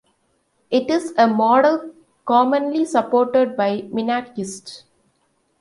It is a model commonly supported by minarchists.